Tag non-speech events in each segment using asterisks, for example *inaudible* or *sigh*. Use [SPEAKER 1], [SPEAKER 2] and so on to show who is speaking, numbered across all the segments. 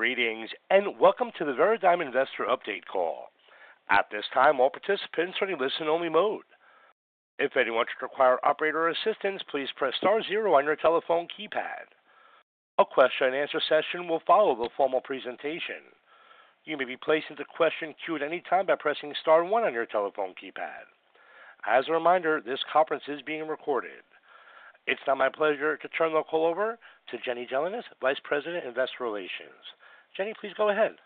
[SPEAKER 1] Greetings and welcome to the Veradigm Investor Update Call. At this time, all participants are in listen-only mode. If anyone should require operator assistance, please press star zero on your telephone keypad. A question-and-answer session will follow the formal presentation. You may be placed into question queue at any time by pressing star one on your telephone keypad. As a reminder, this conference is being recorded. It's now my pleasure to turn the call over to Jenny Gelinas, Vice President, Investor Relations. Jenny, please go ahead.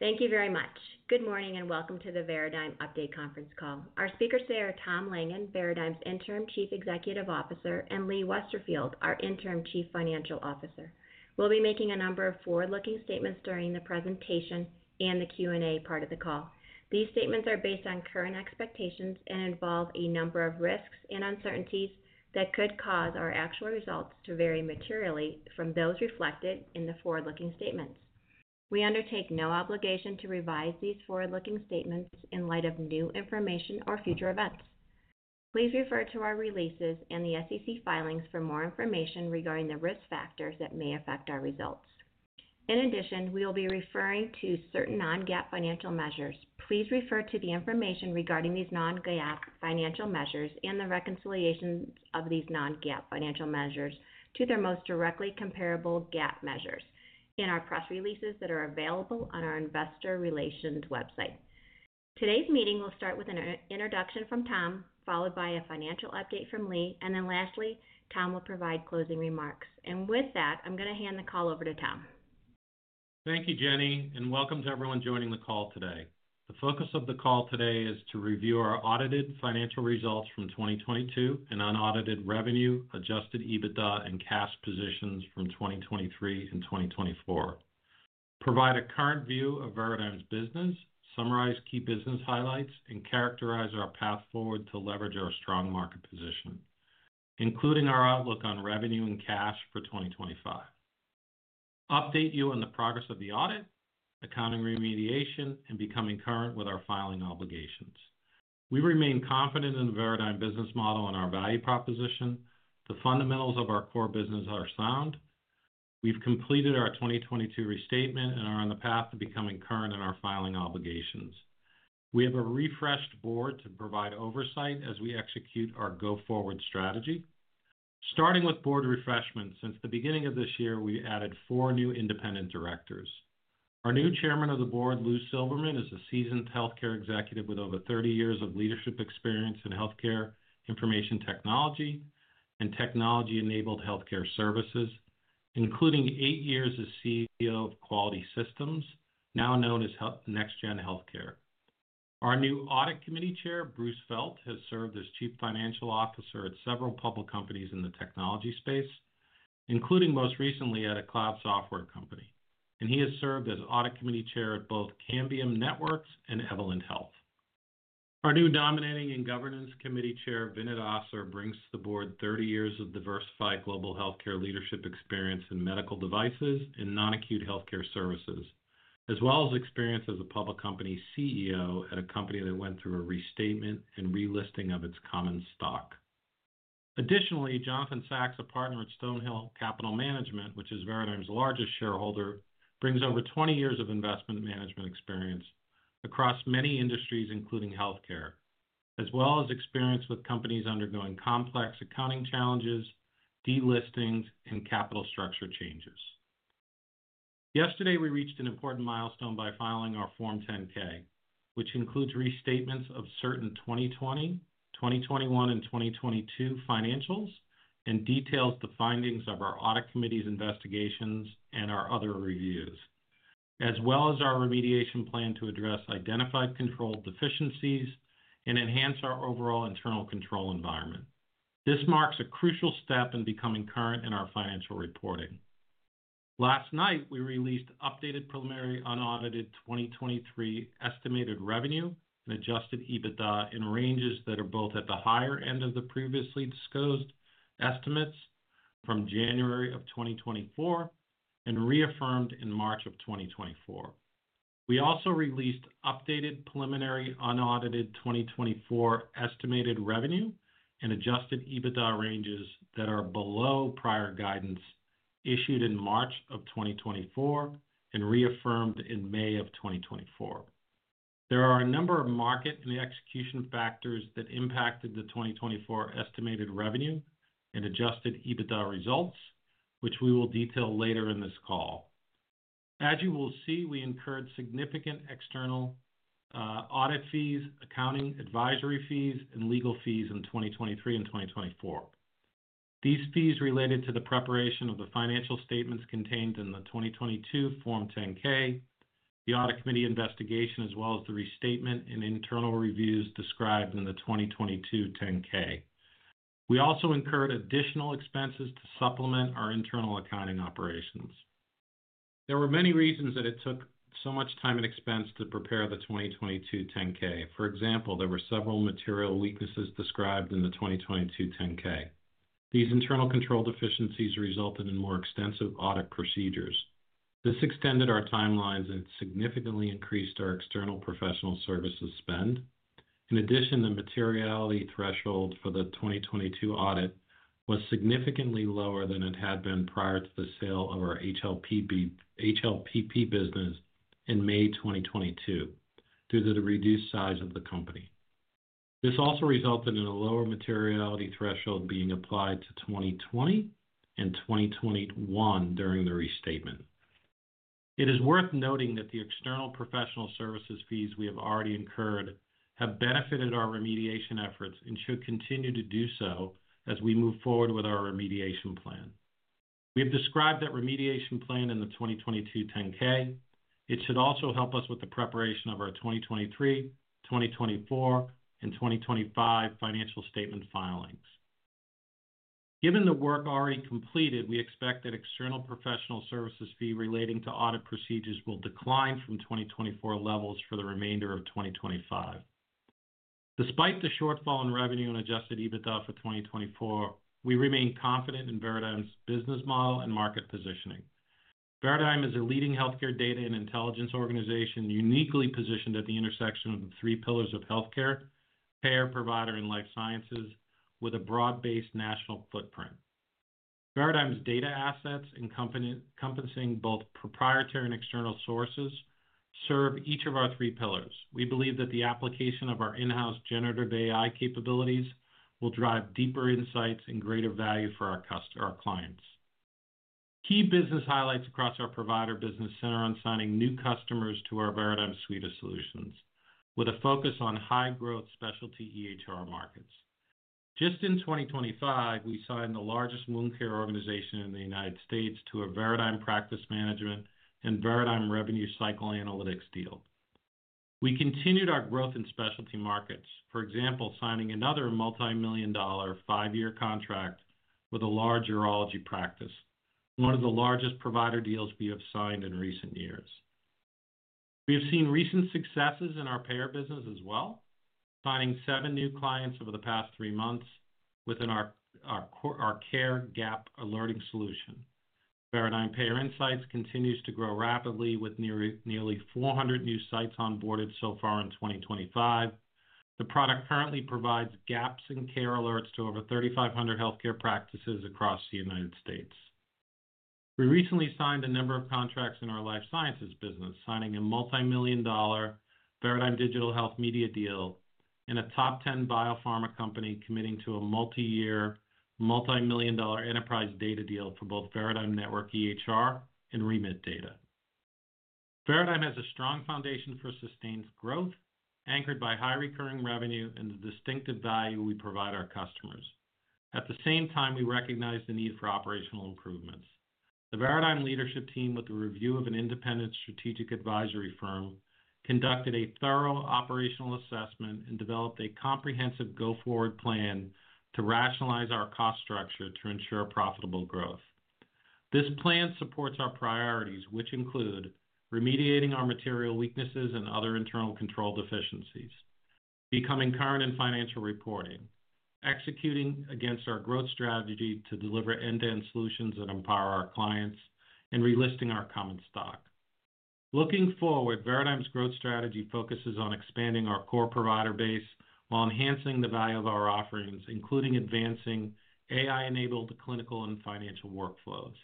[SPEAKER 2] Thank you very much. Good morning and welcome to the Veradigm Update Conference Call. Our speakers today are Tom Langan, Veradigm's Interim Chief Executive Officer, and Lee Westerfield, our Interim Chief Financial Officer. We'll be making a number of forward-looking statements during the presentation and the Q&A part of the call. These statements are based on current expectations and involve a number of risks and uncertainties that could cause our actual results to vary materially from those reflected in the forward-looking statements. We undertake no obligation to revise these forward-looking statements in light of new information or future events. Please refer to our releases and the SEC filings for more information regarding the risk factors that may affect our results. In addition, we will be referring to certain non-GAAP financial measures. Please refer to the information regarding these non-GAAP financial measures and the reconciliations of these non-GAAP financial measures to their most directly comparable GAAP measures in our press releases that are available on our Investor Relations website. Today's meeting will start with an introduction from Tom, followed by a financial update from Lee, and then lastly, Tom will provide closing remarks. With that, I'm going to hand the call over to Tom.
[SPEAKER 3] Thank you, Jenny, and welcome to everyone joining the call today. The focus of the call today is to review our audited financial results from 2022 and unaudited revenue, adjusted EBITDA, and cash positions from 2023 and 2024. Provide a current view of Veradigm's business, summarize key business highlights, and characterize our path forward to leverage our strong market position, including our outlook on revenue and cash for 2025. Update you on the progress of the audit, accounting remediation, and becoming current with our filing obligations. We remain confident in the Veradigm business model and our value proposition. The fundamentals of our core business are sound. We've completed our 2022 restatement and are on the path to becoming current in our filing obligations. We have a refreshed board to provide oversight as we execute our go-forward strategy. Starting with board refreshments, since the beginning of this year, we added four new independent directors. Our new Chairman of the Board, Lou Silverman, is a seasoned healthcare executive with over 30 years of leadership experience in healthcare information technology and technology-enabled healthcare services, including eight years as CEO of Quality Systems, now known as NextGen Healthcare. Our new Audit Committee Chair, Bruce Felt, has served as Chief Financial Officer at several public companies in the technology space, including most recently at a cloud software company. He has served as Audit Committee Chair at both Cambium Networks and Evolent Health. Our new nominating and governance committee chair, Vinit Asar, brings to the board 30 years of diversified global healthcare leadership experience in medical devices and non-acute healthcare services, as well as experience as a public company CEO at a company that went through a restatement and relisting of its common stock. Additionally, Jonathan Sachs, a partner at Stonehill Capital Management, which is Veradigm's largest shareholder, brings over 20 years of investment management experience across many industries, including healthcare, as well as experience with companies undergoing complex accounting challenges, delistings, and capital structure changes. Yesterday, we reached an important milestone by filing our Form 10-K, which includes restatements of certain 2020, 2021, and 2022 financials and details the findings of our audit committee's investigations and our other reviews, as well as our remediation plan to address identified control deficiencies and enhance our overall internal control environment. This marks a crucial step in becoming current in our financial reporting. Last night, we released updated preliminary unaudited 2023 estimated revenue and adjusted EBITDA in ranges that are both at the higher end of the previously disclosed estimates from January of 2024 and reaffirmed in March of 2024. We also released updated preliminary unaudited 2024 estimated revenue and adjusted EBITDA ranges that are below prior guidance issued in March of 2024 and reaffirmed in May of 2024. There are a number of market and execution factors that impacted the 2024 estimated revenue and adjusted EBITDA results, which we will detail later in this call. As you will see, we incurred significant external audit fees, accounting, advisory fees, and legal fees in 2023 and 2024. These fees related to the preparation of the financial statements contained in the 2022 Form 10-K, the audit committee investigation, as well as the restatement and internal reviews described in the 2022 10-K. We also incurred additional expenses to supplement our internal accounting operations. There were many reasons that it took so much time and expense to prepare the 2022 10-K. For example, there were several material weaknesses described in the 2022 10-K. These internal control deficiencies resulted in more extensive audit procedures. This extended our timelines and significantly increased our external professional services spend. In addition, the materiality threshold for the 2022 audit was significantly lower than it had been prior to the sale of our HLPP business in May 2022 due to the reduced size of the company. This also resulted in a lower materiality threshold being applied to 2020 and 2021 during the restatement. It is worth noting that the external professional services fees we have already incurred have benefited our remediation efforts and should continue to do so as we move forward with our remediation plan. We have described that remediation plan in the 2022 Form 10-K. It should also help us with the preparation of our 2023, 2024, and 2025 financial statement filings. Given the work already completed, we expect that external professional services fees relating to audit procedures will decline from 2024 levels for the remainder of 2025. Despite the shortfall in revenue and adjusted EBITDA for 2024, we remain confident in Veradigm's business model and market positioning. Veradigm is a leading healthcare data and intelligence organization uniquely positioned at the intersection of the three pillars of healthcare, care, provider, and life sciences with a broad-based national footprint. Veradigm's data assets, encompassing both proprietary and external sources, serve each of our three pillars. We believe that the application of our in-house generative AI capabilities will drive deeper insights and greater value for our clients. Key business highlights across our provider business center on signing new customers to our Veradigm suite of solutions, with a focus on high-growth specialty EHR markets. Just in 2025, we signed the largest wound care organization in the United States to a Veradigm Practice Management and Veradigm Revenue Cycle Analytics deal. We continued our growth in specialty markets, for example, signing another multi-million dollar five-year contract with a large urology practice, one of the largest provider deals we have signed in recent years. We have seen recent successes in our payer business as well, signing seven new clients over the past three months within our Care Gap Alerting Solution. Veradigm Payer Insights continues to grow rapidly with nearly 400 new sites onboarded so far in 2025. The product currently provides gaps and care alerts to over 3,500 healthcare practices across the United States. We recently signed a number of contracts in our life sciences business, signing a multi-million dollar Veradigm Digital Health Media deal and a top 10 biopharma company committing to a multi-year multi-million dollar enterprise data deal for both Veradigm Network EHR and RemitData. Veradigm has a strong foundation for sustained growth, anchored by high recurring revenue and the distinctive value we provide our customers. At the same time, we recognize the need for operational improvements. The Veradigm leadership team, with the review of an independent strategic advisory firm, conducted a thorough operational assessment and developed a comprehensive go-forward plan to rationalize our cost structure to ensure profitable growth. This plan supports our priorities, which include remediating our material weaknesses and other internal control deficiencies, becoming current in financial reporting, executing against our growth strategy to deliver end-to-end solutions that empower our clients, and relisting our common stock. Looking forward, Veradigm's growth strategy focuses on expanding our core provider base while enhancing the value of our offerings, including advancing AI-enabled clinical and financial workflows.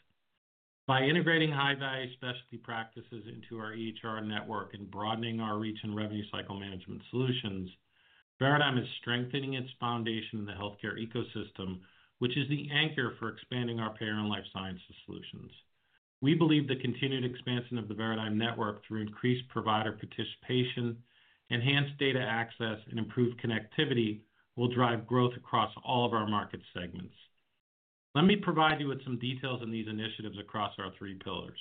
[SPEAKER 3] By integrating high-value specialty practices into our EHR network and broadening our reach and revenue cycle management solutions, Veradigm is strengthening its foundation in the healthcare ecosystem, which is the anchor for expanding our payer and life sciences solutions. We believe the continued expansion of the Veradigm network through increased provider participation, enhanced data access, and improved connectivity will drive growth across all of our market segments. Let me provide you with some details on these initiatives across our three pillars.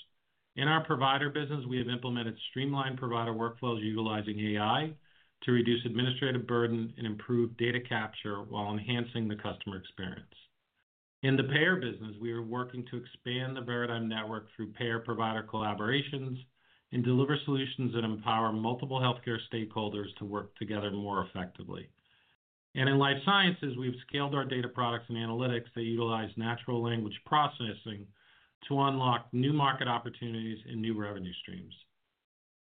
[SPEAKER 3] In our provider business, we have implemented streamlined provider workflows utilizing AI to reduce administrative burden and improve data capture while enhancing the customer experience. In the payer business, we are working to expand the Veradigm Network through payer-provider collaborations and deliver solutions that empower multiple healthcare stakeholders to work together more effectively. In life sciences, we've scaled our data products and analytics that utilize natural language processing to unlock new market opportunities and new revenue streams.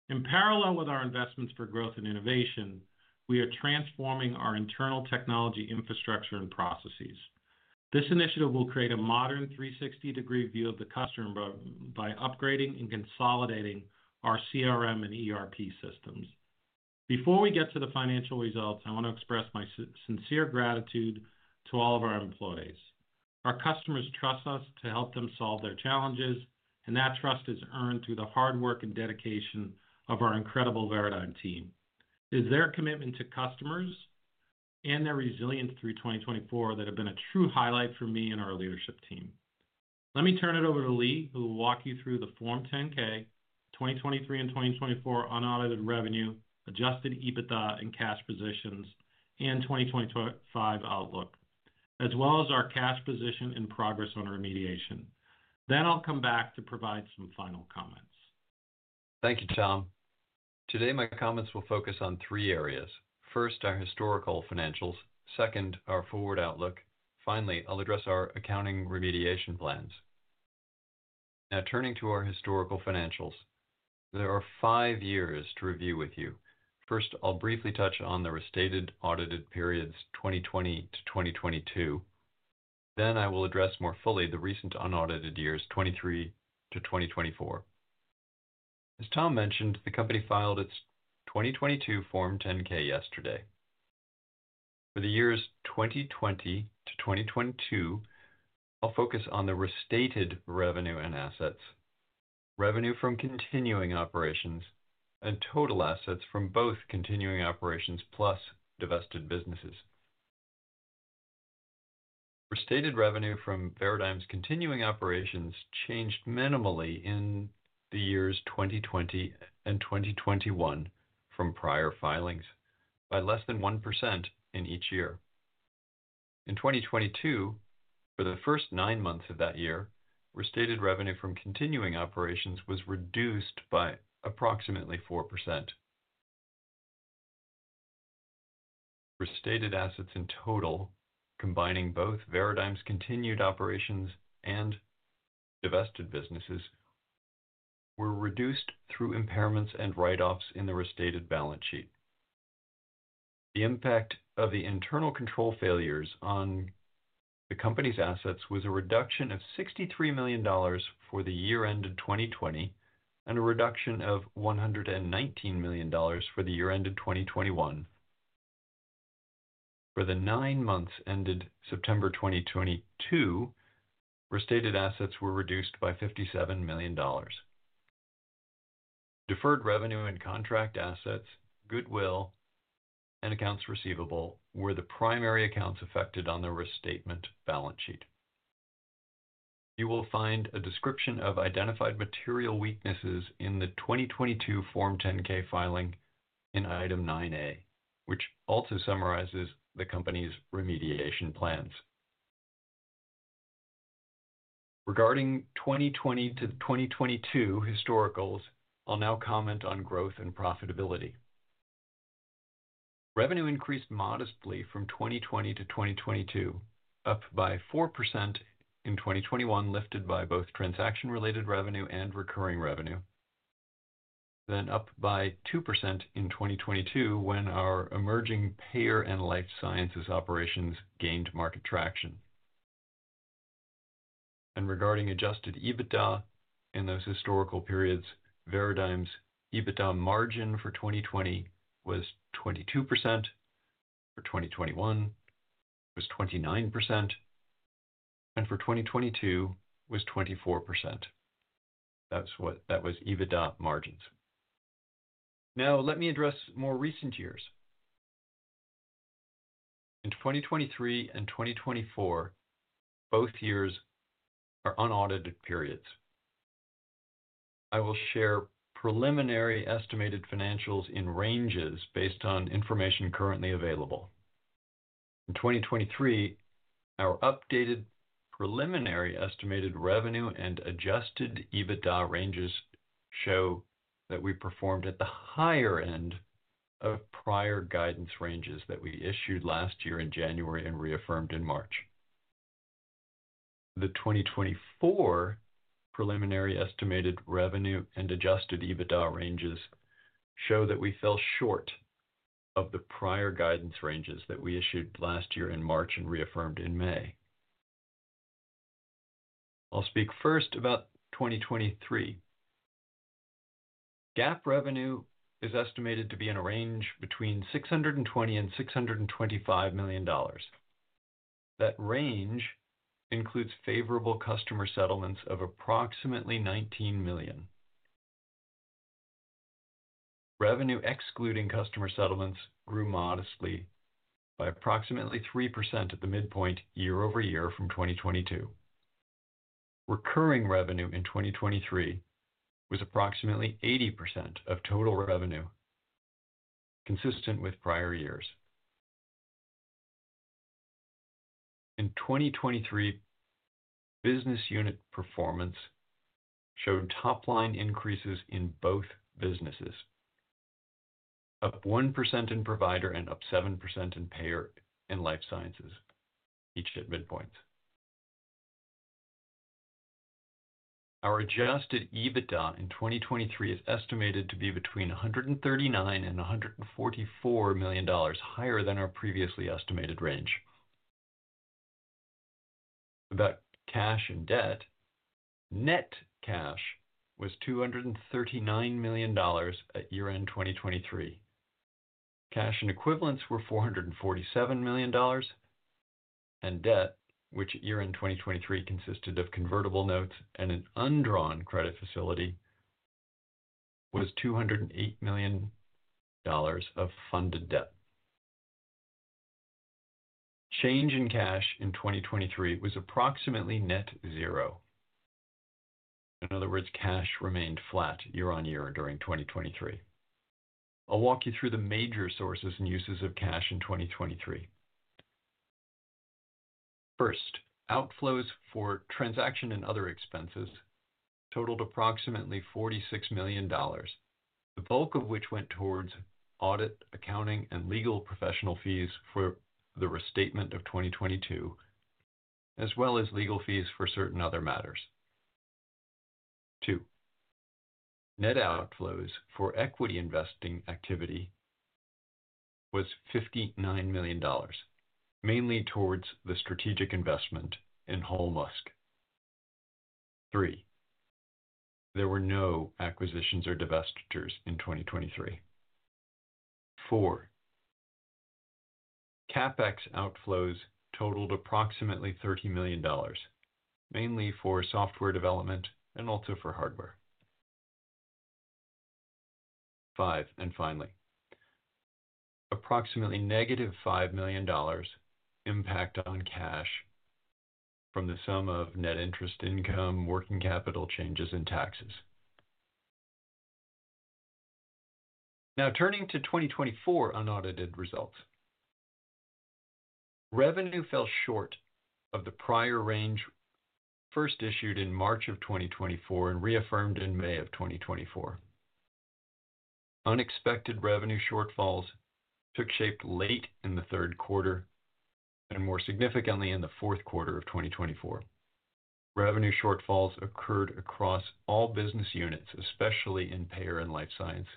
[SPEAKER 3] In parallel with our investments for growth and innovation, we are transforming our internal technology infrastructure and processes. This initiative will create a modern 360-degree view of the customer by upgrading and consolidating our CRM and ERP systems. Before we get to the financial results, I want to express my sincere gratitude to all of our employees. Our customers trust us to help them solve their challenges, and that trust is earned through the hard work and dedication of our incredible Veradigm team. It is their commitment to customers and their resilience through 2024 that have been a true highlight for me and our leadership team. Let me turn it over to Lee, who will walk you through the Form 10-K, 2023 and 2024 unaudited revenue, adjusted EBITDA and cash positions, and 2025 outlook, as well as our cash position and progress on remediation. I will come back to provide some final comments.
[SPEAKER 4] Thank you, Tom. Today, my comments will focus on three areas. First, our historical financials. Second, our forward outlook. Finally, I will address our accounting remediation plans. Now, turning to our historical financials, there are five years to review with you. First, I will briefly touch on the restated audited periods 2020 to 2022. I will address more fully the recent unaudited years, 2023 to 2024. As Tom mentioned, the company filed its 2022 Form 10-K yesterday. For the years 2020 to 2022, I'll focus on the restated revenue and assets, revenue from continuing operations, and total assets from both continuing operations plus divested businesses. Restated revenue from Veradigm's continuing operations changed minimally in the years 2020 and 2021 from prior filings by less than 1% in each year. In 2022, for the first nine months of that year, restated revenue from continuing operations was reduced by approximately 4%. Restated assets in total, combining both Veradigm's continued operations and divested businesses, were reduced through impairments and write-offs in the restated balance sheet. The impact of the internal control failures on the company's assets was a reduction of $63 million for the year ended 2020 and a reduction of $119 million for the year ended 2021. For the nine months ended September 2022, restated assets were reduced by $57 million. Deferred revenue and contract assets, goodwill, and accounts receivable were the primary accounts affected on the restatement balance sheet. You will find a description of identified material weaknesses in the 2022 Form 10-K filing in item 9-A, which also summarizes the company's remediation plans. Regarding 2020 to 2022 historicals, I'll now comment on growth and profitability. Revenue increased modestly from 2020 to 2022, up by 4% in 2021, lifted by both transaction-related revenue and recurring revenue, then up by 2% in 2022 when our emerging payer and life sciences operations gained market traction. Regarding adjusted EBITDA in those historical periods, Veradigm's EBITDA margin for 2020 was 22%, for 2021 was 29%, and for 2022 was 24%. That was EBITDA margins. Now, let me address more recent years. In 2023 and 2024, both years are unaudited periods. I will share preliminary estimated financials in ranges based on information currently available. In 2023, our updated preliminary estimated revenue and adjusted EBITDA ranges show that we performed at the higher end of prior guidance ranges that we issued last year in January and reaffirmed in March. The 2024 preliminary estimated revenue and adjusted EBITDA ranges show that we fell short of the prior guidance ranges that we issued last year in March and reaffirmed in May. I'll speak first about 2023. GAAP revenue is estimated to be in a range between $620 million and $625 million. That range includes favorable customer settlements of approximately $19 million. Revenue excluding customer settlements grew modestly by approximately 3% at the midpoint year over year from 2022. Recurring revenue in 2023 was approximately 80% of total revenue, consistent with prior years. In 2023, business unit performance showed top-line increases in both businesses, up 1% in provider and up 7% in payer and life sciences each at midpoints. Our adjusted EBITDA in 2023 is estimated to be between $139 million-$144 million, higher than our previously estimated range. About cash and debt, net cash was $239 million at year-end 2023. Cash and equivalents were $447 million, and debt, which year-end 2023 consisted of convertible notes and an undrawn credit facility, was $208 million of funded debt. Change in cash in 2023 was approximately net zero. In other words, cash remained flat year on year during 2023. I'll walk you through the major sources and uses of cash in 2023. First, outflows for transaction and other expenses totaled approximately $46 million, the bulk of which went towards audit, accounting, and legal professional fees for the restatement of 2022, as well as legal fees for certain other matters. Two, net outflows for equity investing activity was $59 million, mainly towards the strategic investment in Holmusk. Three, there were no acquisitions or divestitures in 2023. Four, CapEx outflows totaled approximately $30 million, mainly for software development and also for hardware. Five, and finally, approximately negative $5 million impact on cash from the sum of net interest income, working capital changes, and taxes. Now, turning to 2024 unaudited results. Revenue fell short of the prior range first issued in March of 2024 and reaffirmed in May of 2024. Unexpected revenue shortfalls took shape late in the third quarter and more significantly in the fourth quarter of 2024. Revenue shortfalls occurred across all business units, especially in payer and life science.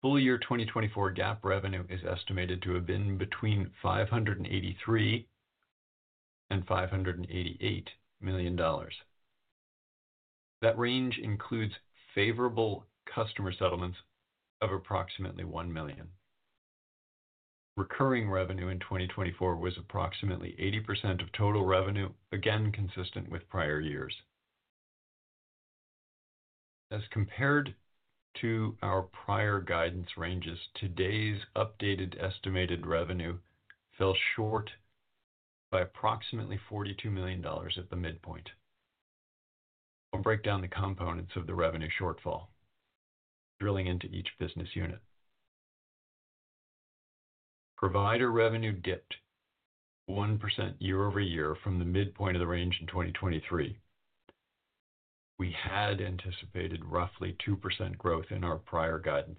[SPEAKER 4] Full year 2024 GAAP revenue is estimated to have been between $583 million and $588 million. That range includes favorable customer settlements of approximately $1 million. Recurring revenue in 2024 was approximately 80% of total revenue, again consistent with prior years. As compared to our prior guidance ranges, today's updated estimated revenue fell short by approximately $42 million at the midpoint. I'll break down the components of the revenue shortfall, drilling into each business unit. Provider revenue dipped 1% year over year from the midpoint of the range in 2023. We had anticipated roughly 2% growth in our prior guidance.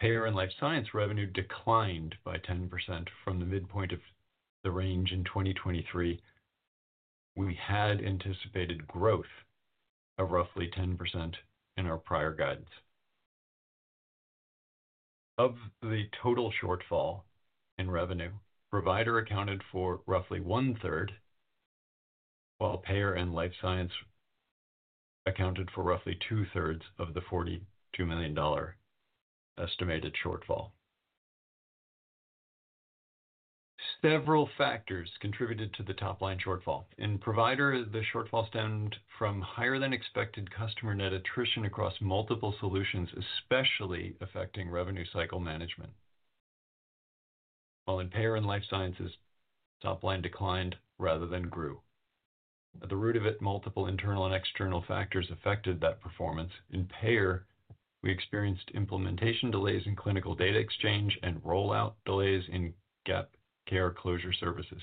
[SPEAKER 4] Payer and life science revenue declined by 10% from the midpoint of the range in 2023. We had anticipated growth of roughly 10% in our prior guidance. Of the total shortfall in revenue, provider accounted for roughly 1/3, while payer and life science accounted for roughly 2/3 of the $42 million estimated shortfall. Several factors contributed to the top-line shortfall. In provider, the shortfall stemmed from higher-than-expected customer net attrition across multiple solutions, especially affecting revenue cycle management. While in payer and life sciences, top-line declined rather than grew. At the root of it, multiple internal and external factors affected that performance. In payer, we experienced implementation delays in Clinical Data Exchange and rollout delays in Gap Care Closure services.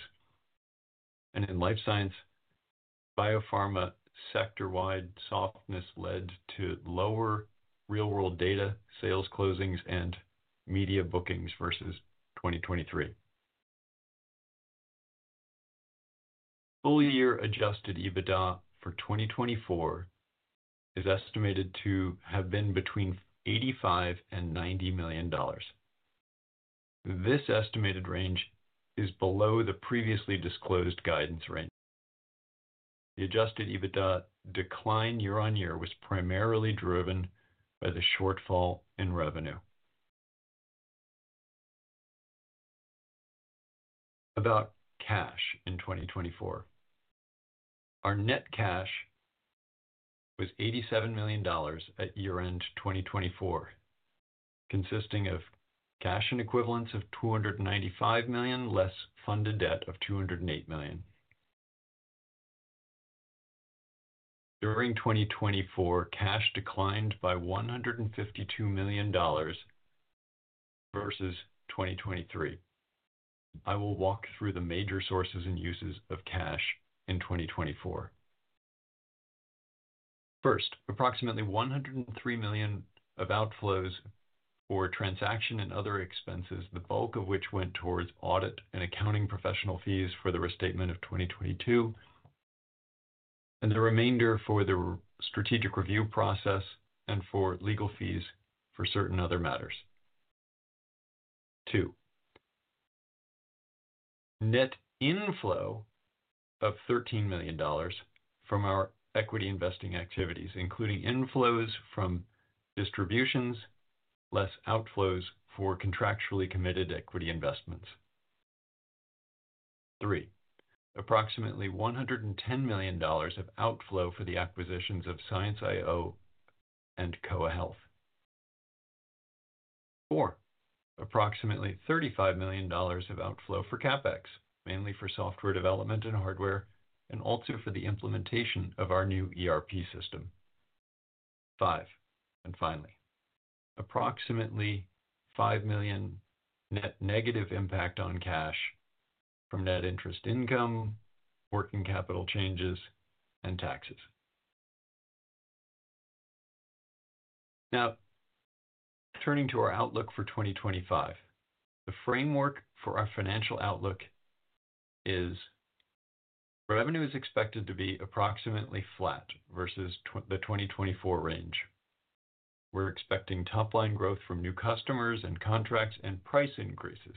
[SPEAKER 4] In life science, biopharma sector-wide softness led to lower real-world data sales closings and media bookings versus 2023. Full year adjusted EBITDA for 2024 is estimated to have been between $85 million and $90 million. This estimated range is below the previously disclosed guidance range. The adjusted EBITDA decline year-on-year was primarily driven by the shortfall in revenue. About cash in 2024. Our net cash was $87 million at year-end 2024, consisting of cash and equivalents of $295 million less funded debt of $208 million. During 2024, cash declined by $152 million versus 2023. I will walk through the major sources and uses of cash in 2024. First, approximately $103 million of outflows for transaction and other expenses, the bulk of which went towards audit and accounting professional fees for the restatement of 2022, and the remainder for the strategic review process and for legal fees for certain other matters. Two, net inflow of $13 million from our equity investing activities, including inflows from distributions less outflows for contractually committed equity investments. Three, approximately $110 million of outflow for the acquisitions of ScienceIO and Koha Health. Four, approximately $35 million of outflow for CapEx, mainly for software development and hardware, and also for the implementation of our new ERP system. Five, and finally, approximately $5 million net negative impact on cash from net interest income, working capital changes, and taxes. Now, turning to our outlook for 2025, the framework for our financial outlook is revenue is expected to be approximately flat versus the 2024 range. We're expecting top-line growth from new customers and contracts and price increases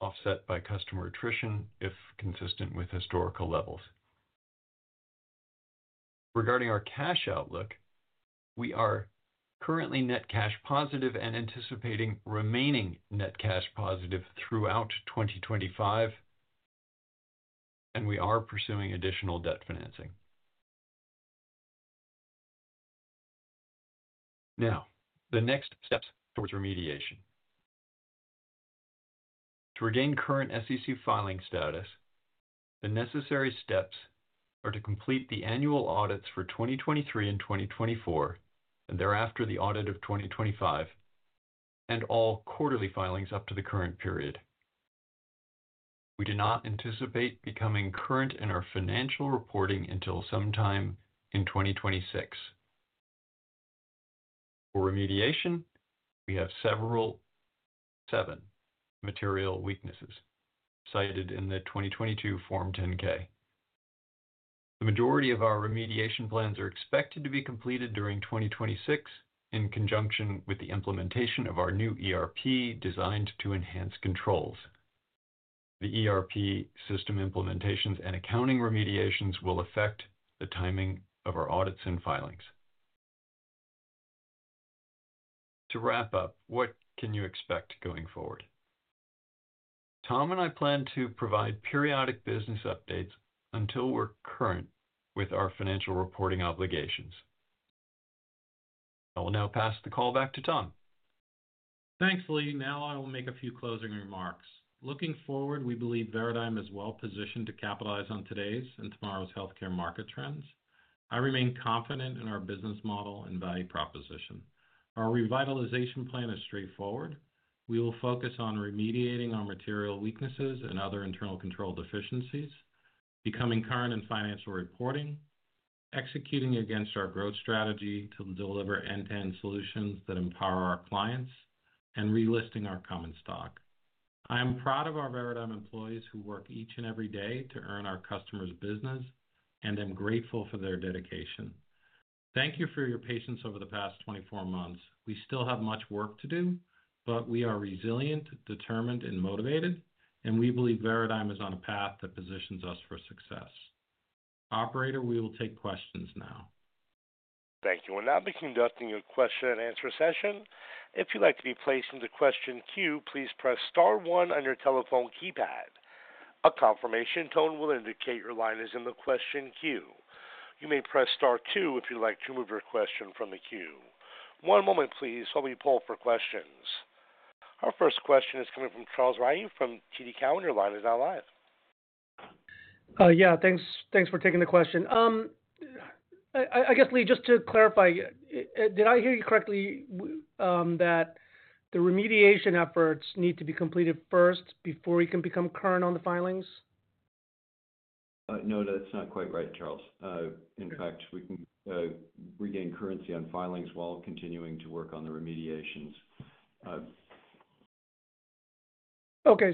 [SPEAKER 4] offset by customer attrition if consistent with historical levels. Regarding our cash outlook, we are currently net cash positive and anticipating remaining net cash positive throughout 2025, and we are pursuing additional debt financing. Now, the next steps towards remediation. To regain current SEC filing status, the necessary steps are to complete the annual audits for 2023 and 2024, and thereafter the audit of 2025, and all quarterly filings up to the current period. We do not anticipate becoming current in our financial reporting until sometime in 2026. For remediation, we have several seven material weaknesses cited in the 2022 Form 10-K. The majority of our remediation plans are expected to be completed during 2026 in conjunction with the implementation of our new ERP designed to enhance controls. The ERP system implementations and accounting remediations will affect the timing of our audits and filings. To wrap up, what can you expect going forward? Tom and I plan to provide periodic business updates until we're current with our financial reporting obligations. I will now pass the call back to Tom.
[SPEAKER 3] Thanks, Lee. Now, I will make a few closing remarks. Looking forward, we believe Veradigm is well positioned to capitalize on today's and tomorrow's healthcare market trends. I remain confident in our business model and value proposition. Our revitalization plan is straightforward. We will focus on remediating our material weaknesses and other internal control deficiencies, becoming current in financial reporting, executing against our growth strategy to deliver end-to-end solutions that empower our clients, and relisting our common stock. I am proud of our Veradigm employees who work each and every day to earn our customers' business, and I'm grateful for their dedication. Thank you for your patience over the past 24 months. We still have much work to do, but we are resilient, determined, and motivated, and we believe Veradigm is on a path that positions us for success. Operator, we will take questions now.
[SPEAKER 1] Thank you. We're now beginning to conduct your question and answer session. If you'd like to be placed in the question queue, please press star one on your telephone keypad. A confirmation tone will indicate your line is in the question queue. You may press star two if you'd like to remove your question from the queue. One moment, please, while we pull up for questions. Our first question is coming from Charles Rhyee from TD Cowen. Is that live?
[SPEAKER 5] Yeah. Thanks for taking the question. I guess, Lee, just to clarify, did I hear you correctly that the remediation efforts need to be completed first before we can become current on the filings?
[SPEAKER 3] No, that's not quite right, Charles. In fact, we can regain currency on filings while continuing to work on the remediations.
[SPEAKER 5] Okay.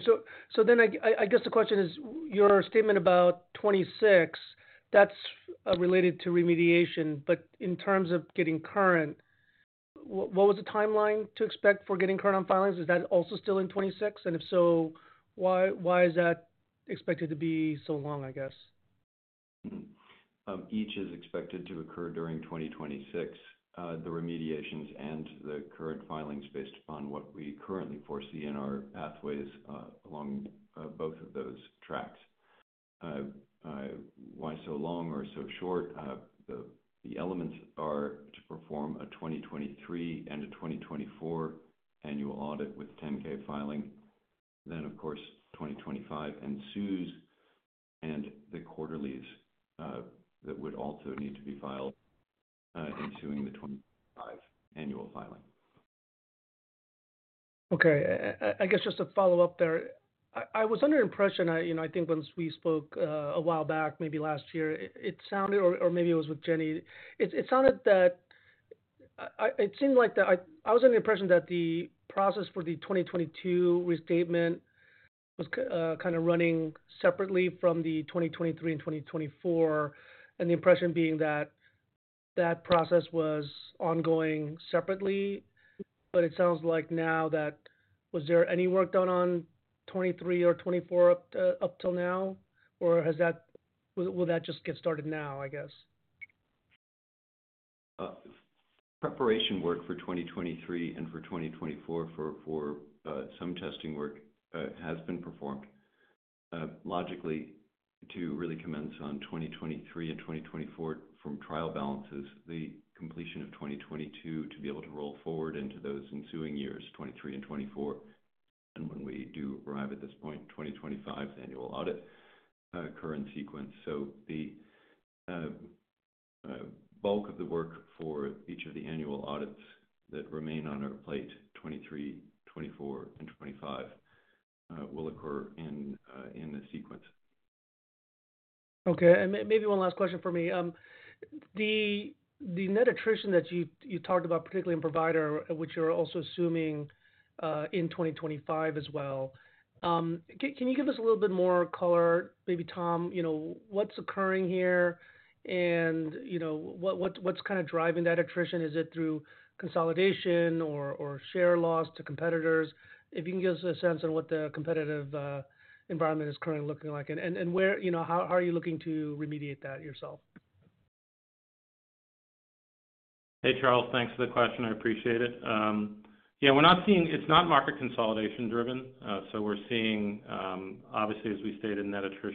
[SPEAKER 5] I guess the question is your statement about 2026, that's related to remediation, but in terms of getting current, what was the timeline to expect for getting current on filings? Is that also still in 2026? If so, why is that expected to be so long, I guess?
[SPEAKER 4] Each is expected to occur during 2026, the remediations and the current filings based upon what we currently foresee in our pathways along both of those tracks. Why so long or so short? The elements are to perform a 2023 and a 2024 annual audit with 10-K filing, then, of course, 2025 ensues and the quarterlies that would also need to be filed ensuing the 2025 annual filing.
[SPEAKER 5] Okay. I guess just to follow up there, I was under the impression I think once we spoke a while back, maybe last year, it sounded or maybe it was with Jenny, it sounded that it seemed like I was under the impression that the process for the 2022 restatement was kind of running separately from the 2023 and 2024, and the impression being that that process was ongoing separately. It sounds like now that was there any work done on 2023 or 2024 up till now, or will that just get started now, I guess?
[SPEAKER 4] Preparation work for 2023 and for 2024 for some testing work has been performed. Logically, to really commence on 2023 and 2024 from trial balances, the completion of 2022 to be able to roll forward into those ensuing years, 2023 and 2024, and when we do arrive at this point, 2025's annual audit current sequence. The bulk of the work for each of the annual audits that remain on our plate, 2023, 2024, and 2025, will occur in the sequence.
[SPEAKER 5] Okay. Maybe one last question for me. The net attrition that you talked about, particularly in provider, which you're also assuming in 2025 as well, can you give us a little bit more color? Maybe, Tom, what's occurring here and what's kind of driving that attrition? Is it through consolidation or share loss to competitors? If you can give us a sense on what the competitive environment is currently looking like and how are you looking to remediate that yourself?
[SPEAKER 3] Hey, Charles. Thanks for the question. I appreciate it. Yeah. It's not market consolidation driven. We're seeing, obviously, as we stated,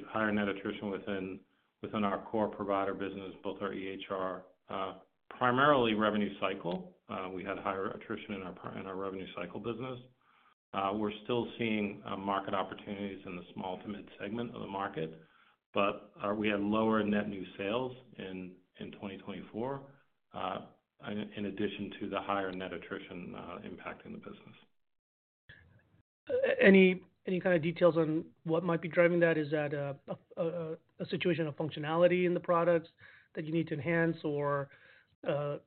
[SPEAKER 3] higher net attrition within our core provider business, both our EHR, primarily revenue cycle. We had higher attrition in our revenue cycle business. We're still seeing market opportunities in the small to mid-segment of the market, but we had lower net new sales in 2024 in addition to the higher net attrition impacting the business.
[SPEAKER 5] Any kind of details on what might be driving that? Is that a situation of functionality in the products that you need to enhance or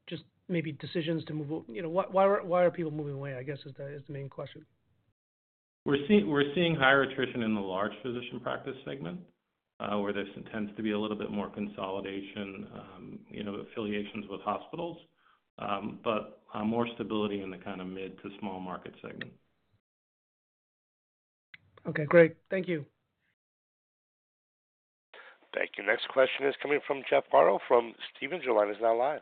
[SPEAKER 5] just maybe decisions to move? Why are people moving away, I guess, is the main question.
[SPEAKER 3] We're seeing higher attrition in the large physician practice segment where there tends to be a little bit more consolidation, affiliations with hospitals, but more stability in the kind of mid to small market segment.
[SPEAKER 5] Okay. Great. Thank you.
[SPEAKER 1] Thank you. Next question is coming from Jeff Garro from Stephens. Join is now live.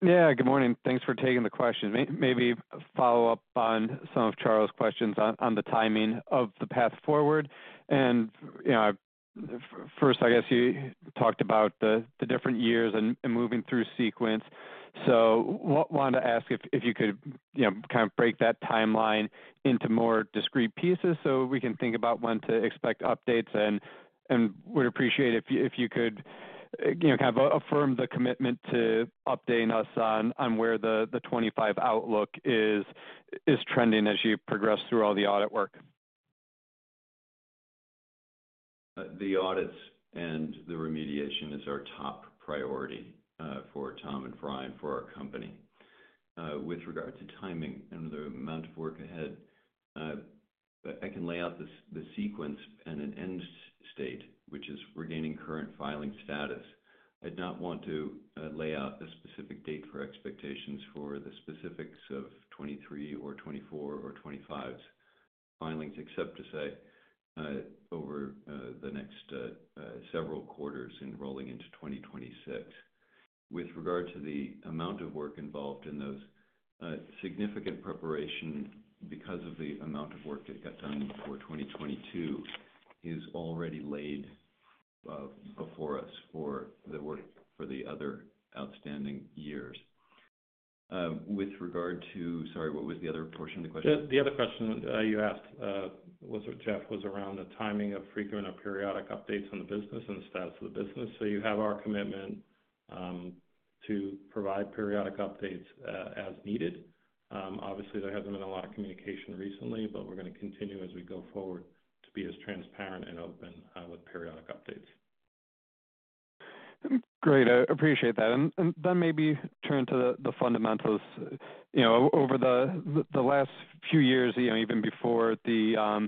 [SPEAKER 6] Yeah. Good morning. Thanks for taking the question. Maybe follow up on some of Charles' questions on the timing of the path forward. First, I guess you talked about the different years and moving through sequence. Wanted to ask if you could kind of break that timeline into more discrete pieces so we can think about when to expect updates. Would appreciate if you could kind of affirm the commitment to updating us on where the 2025 outlook is trending as you progress through all the audit work.
[SPEAKER 4] The audits and the remediation is our top priority for Tom and I for our company. With regard to timing and the amount of work ahead, I can lay out the sequence and an end state, which is regaining current filing status. I'd not want to lay out a specific date for expectations for the specifics of 2023 or 2024 or 2025's filings, except to say over the next several quarters and rolling into 2026. With regard to the amount of work involved in those, significant preparation because of the amount of work that got done for 2022 is already laid before us for the work for the other outstanding years. With regard to—sorry, what was the other portion of the question?
[SPEAKER 3] The other question you asked was, Jeff, was around the timing of frequent or periodic updates on the business and the status of the business. You have our commitment to provide periodic updates as needed. Obviously, there has not been a lot of communication recently, but we are going to continue as we go forward to be as transparent and open with periodic updates.
[SPEAKER 6] Great. I appreciate that. Maybe turn to the fundamentals. Over the last few years, even before the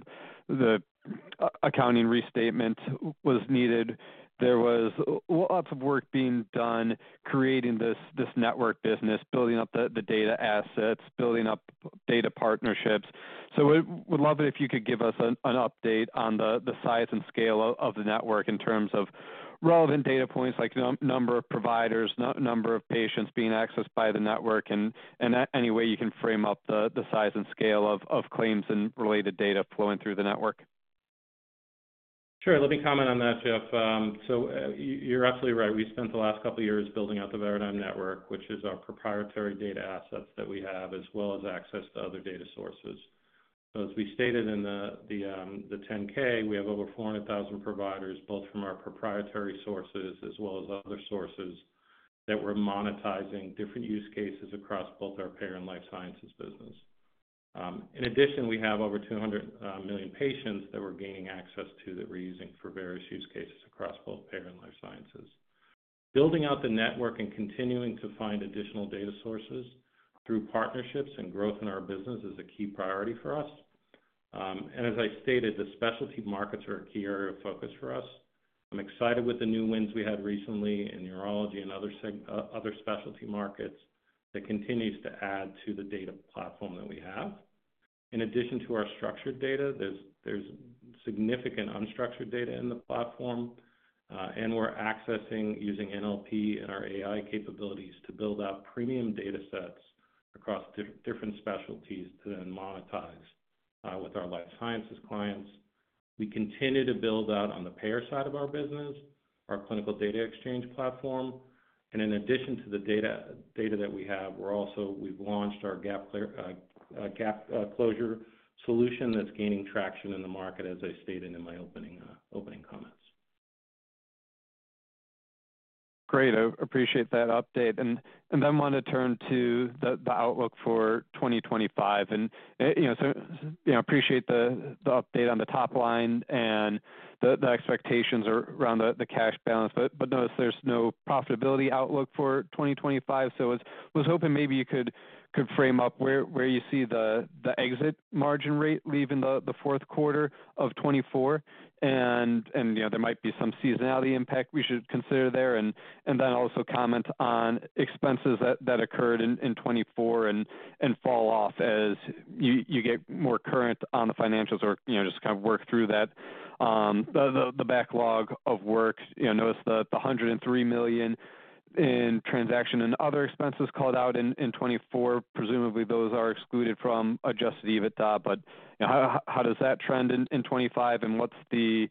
[SPEAKER 6] accounting restatement was needed, there was lots of work being done creating this network business, building up the data assets, building up data partnerships. We would love it if you could give us an update on the size and scale of the network in terms of relevant data points, like number of providers, number of patients being accessed by the network, and any way you can frame up the size and scale of claims and related data flowing through the network.
[SPEAKER 3] Sure. Let me comment on that, Jeff. You are absolutely right. We spent the last couple of years building out the Veradigm Network, which is our proprietary data assets that we have, as well as access to other data sources. As we stated in the Form 10-K, we have over 400,000 providers, both from our proprietary sources as well as other sources that we're monetizing different use cases across both our payer and life sciences business. In addition, we have over 200 million patients that we're gaining access to that we're using for various use cases across both payer and life sciences. Building out the network and continuing to find additional data sources through partnerships and growth in our business is a key priority for us. As I stated, the specialty markets are a key area of focus for us. I'm excited with the new wins we had recently in neurology and other specialty markets that continues to add to the data platform that we have. In addition to our structured data, there's significant unstructured data in the platform, and we're accessing using NLP and our AI capabilities to build out premium data sets across different specialties to then monetize with our life sciences clients. We continue to build out on the payer side of our business, our Clinical Data Exchange platform. In addition to the data that we have, we've launched our Gap Closure Solution that's gaining traction in the market, as I stated in my opening comments.
[SPEAKER 6] Great. I appreciate that update. I want to turn to the outlook for 2025. I appreciate the update on the top line and the expectations around the cash balance, but notice there's no profitability outlook for 2025. I was hoping maybe you could frame up where you see the exit margin rate leaving the fourth quarter of 2024, and there might be some seasonality impact we should consider there. Also comment on expenses that occurred in 2024 and fall off as you get more current on the financials or just kind of work through that. The backlog of work, notice the $103 million in transaction and other expenses called out in 2024. Presumably, those are excluded from adjusted EBITDA, but how does that trend in 2025, and what's the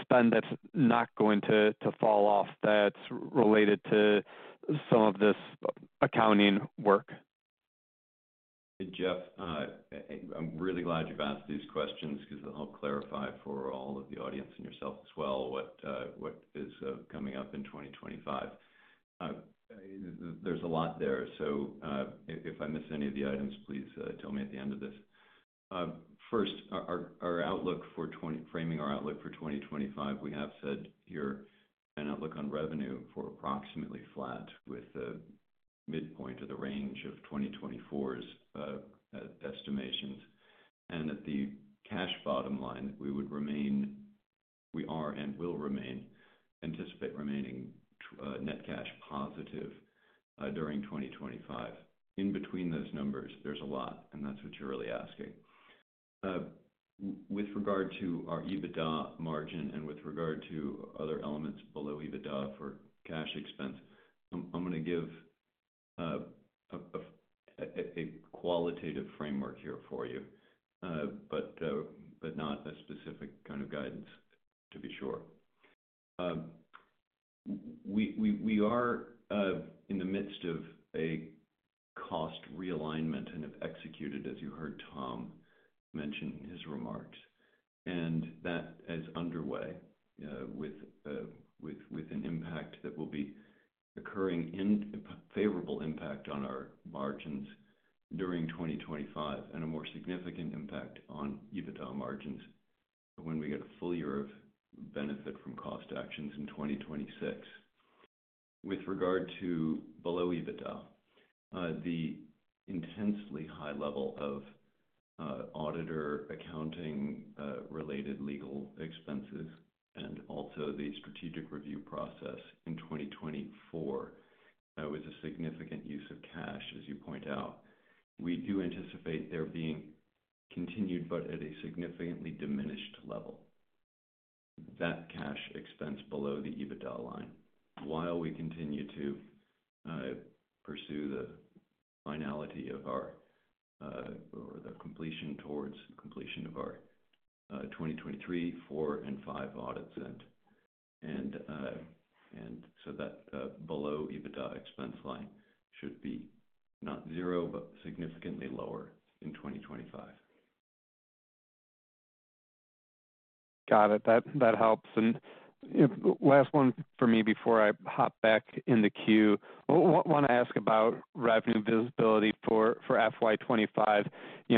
[SPEAKER 6] spend that's not going to fall off that's related to some of this accounting work?
[SPEAKER 4] Hey, Jeff, I'm really glad you've asked these questions because it'll clarify for all of the audience and yourself as well what is coming up in 2025. There's a lot there. If I miss any of the items, please tell me at the end of this. First, our outlook for framing our outlook for 2025, we have said here an outlook on revenue for approximately flat with the midpoint of the range of 2024's estimations. At the cash bottom line, we would remain—we are and will remain—anticipate remaining net cash positive during 2025. In between those numbers, there is a lot, and that is what you are really asking. With regard to our EBITDA margin and with regard to other elements below EBITDA for cash expense, I am going to give a qualitative framework here for you, but not a specific kind of guidance, to be sure. We are in the midst of a cost realignment and have executed, as you heard Tom mention in his remarks, and that is underway with an impact that will be occurring in favorable impact on our margins during 2025 and a more significant impact on EBITDA margins when we get a full year of benefit from cost actions in 2026. With regard to below EBITDA, the intensely high level of auditor accounting-related legal expenses and also the strategic review process in 2024 was a significant use of cash, as you point out. We do anticipate there being continued, but at a significantly diminished level, that cash expense below the EBITDA line while we continue to pursue the finality of our or the completion towards completion of our 2023, 2024, and 2025 audits. That below EBITDA expense line should be not zero, but significantly lower in 2025.
[SPEAKER 6] Got it. That helps. Last one for me before I hop back in the queue. I want to ask about revenue visibility for FY2025.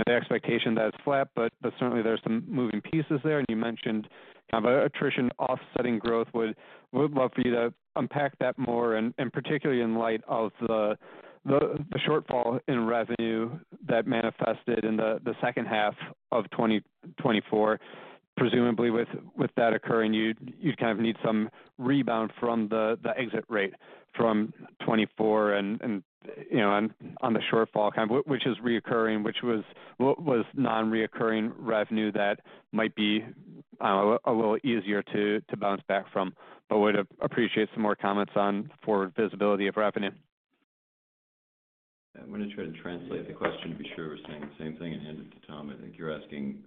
[SPEAKER 6] The expectation that it's flat, but certainly there's some moving pieces there. You mentioned kind of attrition offsetting growth. Would love for you to unpack that more, and particularly in light of the shortfall in revenue that manifested in the second half of 2024. Presumably, with that occurring, you'd kind of need some rebound from the exit rate from 2024 and on the shortfall, which is reoccurring, which was non-reoccurring revenue that might be a little easier to bounce back from, but would appreciate some more comments on forward visibility of revenue.
[SPEAKER 4] I'm going to try to translate the question to be sure we're saying the same thing and hand it to Tom. I think you're asking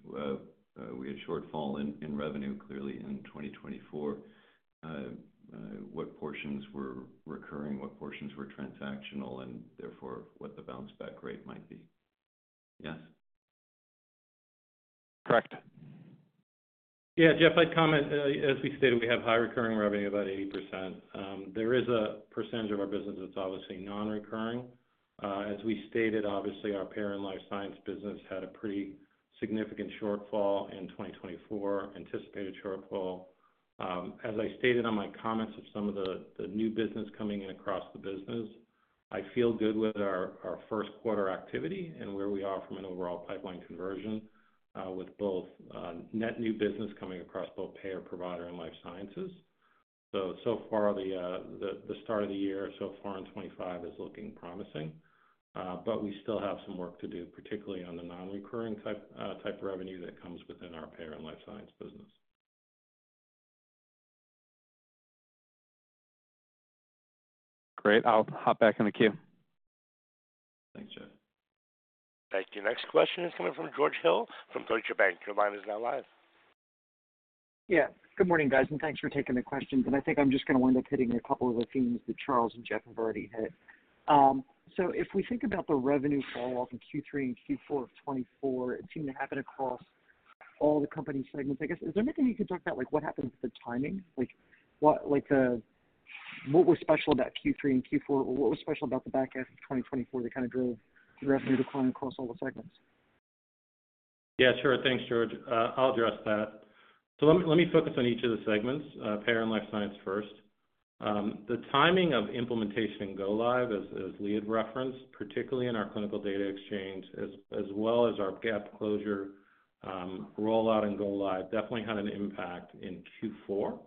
[SPEAKER 4] we had shortfall in revenue clearly in 2024. What portions were recurring? What portions were transactional? Therefore, what the bounce-back rate might be? Yes?
[SPEAKER 6] Correct.
[SPEAKER 3] Yeah, Jeff, I'd comment. As we stated, we have high recurring revenue, about 80%. There is a percentage of our business that's obviously non-recurring. As we stated, obviously, our payer and life science business had a pretty significant shortfall in 2024, anticipated shortfall. As I stated on my comments of some of the new business coming in across the business, I feel good with our first quarter activity and where we are from an overall pipeline conversion with both net new business coming across both payer, provider, and life sciences. The start of the year, so far in 2025, is looking promising, but we still have some work to do, particularly on the non-recurring type revenue that comes within our payer and life science business.
[SPEAKER 6] Great. I'll hop back in the queue.
[SPEAKER 4] Thanks, Jeff.
[SPEAKER 1] Thank you. Next question is coming from George Hill from Deutsche Bank. Your line is now live.
[SPEAKER 7] Yeah. Good morning, guys, and thanks for taking the questions. I think I'm just going to wind up hitting a couple of the themes that Charles and Jeff have already hit. If we think about the revenue falloff in Q3 and Q4 of 2024, it seemed to happen across all the company segments. I guess, is there anything you can talk about? What happened with the timing? What was special about Q3 and Q4? What was special about the back half of 2024 that kind of drove the revenue decline across all the segments?
[SPEAKER 3] Yeah, sure. Thanks, George. I'll address that. Let me focus on each of the segments, payer and life science first. The timing of implementation and go-live, as Leah referenced, particularly in our Clinical Data Exchange, as well as our Gap Closure rollout and go-live, definitely had an impact in Q4.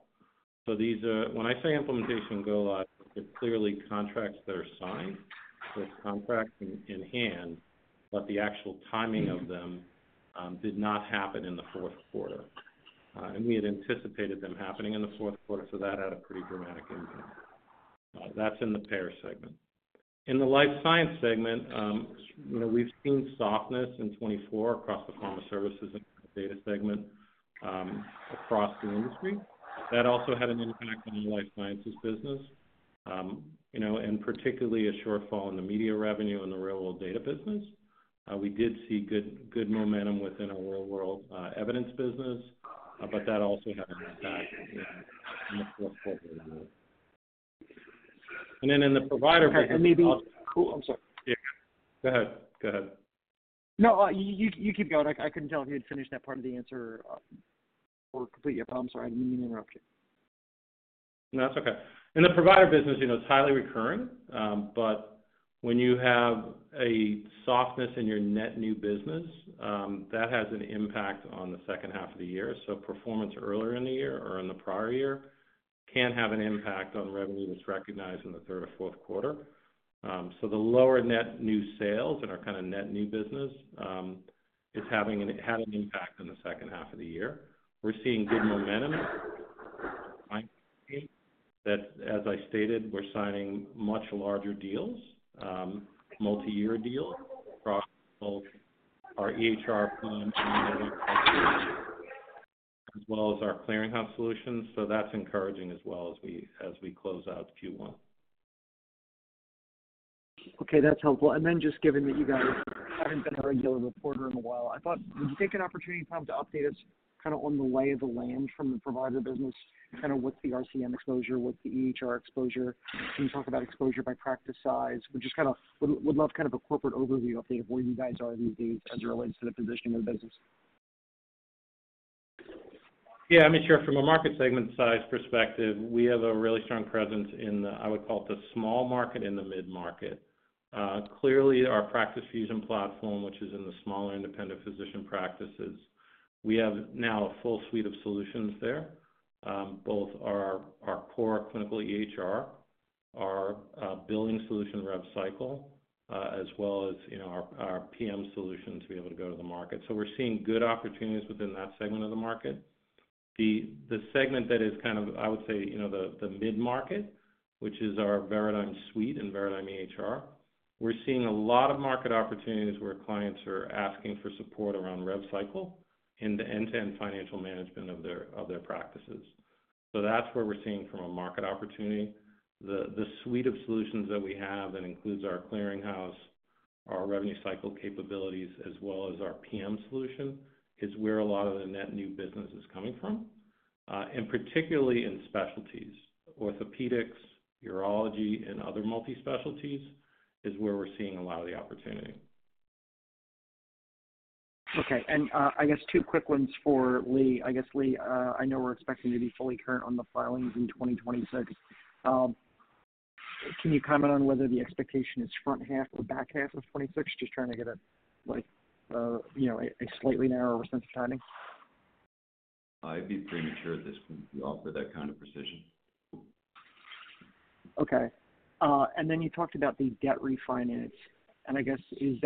[SPEAKER 3] When I say implementation and go-live, it clearly contracts that are signed, so it's contracts in hand, but the actual timing of them did not happen in the fourth quarter. We had anticipated them happening in the fourth quarter, so that had a pretty dramatic impact. That's in the payer segment. In the life science segment, we've seen softness in 2024 across the pharma services and data segment across the industry. That also had an impact on the life sciences business, and particularly a shortfall in the media revenue and the real-world data business. We did see good momentum within our real-world evidence business, but that also had an impact in the fourth quarter of the year. In the provider business, it's highly recurring, but when you have a softness in your net new business, that has an impact on the second half of the year. Performance earlier in the year or in the prior year can have an impact on revenue that's recognized in the third or fourth quarter. The lower net new sales in our kind of net new business is having an impact in the second half of the year. We're seeing good momentum. As I stated, we're signing much larger deals, multi-year deals, across both our EHR *audio distortion* and as well as our clearinghouse solutions. That's encouraging as we close out Q1.
[SPEAKER 7] Okay. That's helpful. And then just given that you guys haven't been a regular reporter in a while, I thought, would you take an opportunity to update us kind of on the lay of the land from the provider business? Kind of what's the RCM exposure? What's the EHR exposure? Can you talk about exposure by practice size? We'd just kind of would love kind of a corporate overview update of where you guys are these days as it relates to the positioning of the business.
[SPEAKER 3] Yeah. I mean, sure. From a market segment size perspective, we have a really strong presence in the, I would call it the small market and the mid-market. Clearly, our Practice Fusion platform, which is in the smaller independent physician practices, we have now a full suite of solutions there, both our core clinical EHR, our billing solution rev cycle, as well as our PM solutions to be able to go to the market. We are seeing good opportunities within that segment of the market. The segment that is kind of, I would say, the mid-market, which is our Veradigm suite and Veradigm EHR, we are seeing a lot of market opportunities where clients are asking for support around rev cycle and the end-to-end financial management of their practices. That is where we are seeing from a market opportunity. The suite of solutions that we have that includes our clearinghouse, our revenue cycle capabilities, as well as our PM solution, is where a lot of the net new business is coming from. Particularly in specialties, orthopedics, urology, and other multi-specialties is where we're seeing a lot of the opportunity.
[SPEAKER 7] Okay. I guess two quick ones for Lee. I know we're expecting to be fully current on the filings in 2026. Can you comment on whether the expectation is front half or back half of 2026? Just trying to get a slightly narrower sense of timing.
[SPEAKER 4] I'd be premature at this point to offer that kind of precision.
[SPEAKER 3] Okay. You talked about the debt refinance. I guess, is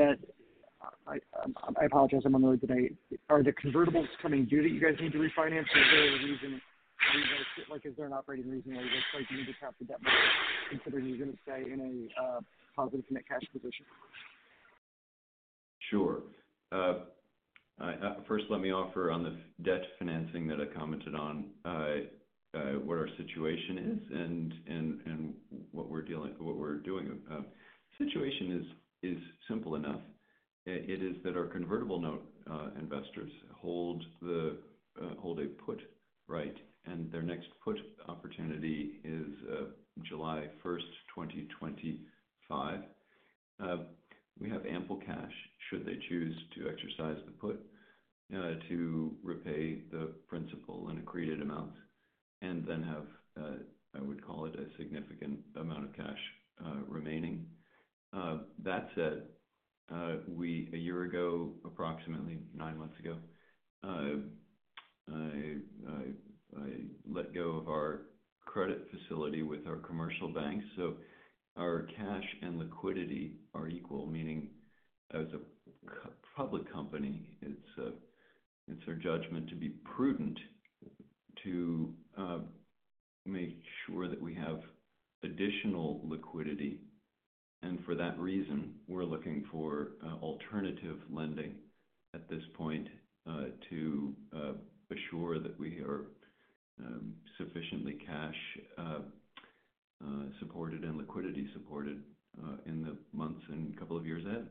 [SPEAKER 3] that—I apologize. I'm on the road today. Are the convertibles coming due that you guys need to refinance? Is there a reason? Is there an operating reason where you're like, "We need to tap the debt market," considering you're going to stay in a positive net cash position?
[SPEAKER 4] Sure. First, let me offer on the debt financing that I commented on, what our situation is and what we're doing. Situation is simple enough. It is that our convertible note investors hold a put right, and their next put opportunity is July 1, 2025. We have ample cash should they choose to exercise the put to repay the principal and accreted amounts and then have, I would call it, a significant amount of cash remaining. That said, a year ago, approximately nine months ago, I let go of our credit facility with our commercial bank. So our cash and liquidity are equal, meaning as a public company, it's our judgment to be prudent to make sure that we have additional liquidity. For that reason, we're looking for alternative lending at this point to assure that we are sufficiently cash supported and liquidity supported in the months and couple of years ahead.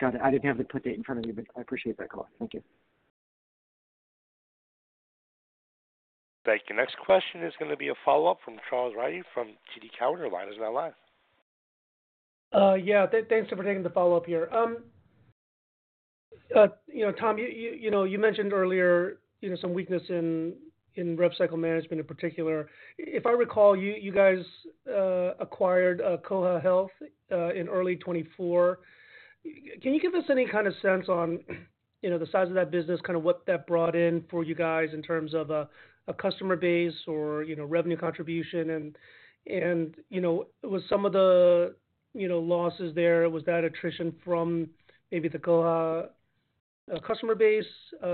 [SPEAKER 7] Got it. I didn't have to put that in front of you, but I appreciate that call. Thank you.
[SPEAKER 1] Thank you. Next question is going to be a follow-up from Charles Rhyee from TD Cowen. Your line is now live.
[SPEAKER 5] Yeah. Thanks for taking the follow-up here. Tom, you mentioned earlier some weakness in rev cycle management in particular. If I recall, you guys acquired Koha Health in early 2024. Can you give us any kind of sense on the size of that business, kind of what that brought in for you guys in terms of a customer base or revenue contribution? And was some of the losses there, was that attrition from maybe the Koha customer base?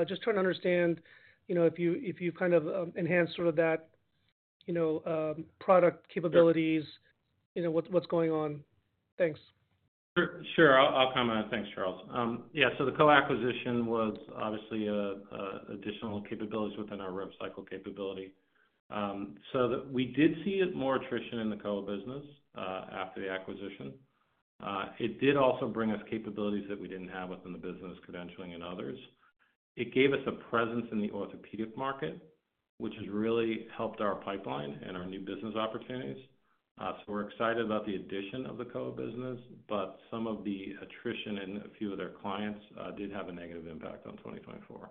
[SPEAKER 5] Just trying to understand if you've kind of enhanced sort of that product capabilities, what's going on? Thanks.
[SPEAKER 3] Sure. I'll comment on that. Thanks, Charles. Yeah. The Koha Health acquisition was obviously additional capabilities within our rev cycle capability. We did see more attrition in the Koha Health business after the acquisition. It did also bring us capabilities that we did not have within the business, credentialing and others. It gave us a presence in the orthopedic market, which has really helped our pipeline and our new business opportunities. We are excited about the addition of the Koha Health business, but some of the attrition and a few of their clients did have a negative impact on 2024.